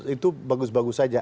itu bagus bagus saja